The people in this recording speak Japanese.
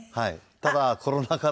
ただコロナ禍で。